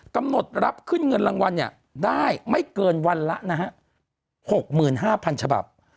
กำหนดรับขึ้นเงินรางวัลเนี่ยได้ไม่เกินวันละนะฮะ๖๕๐๐๐ฉบับ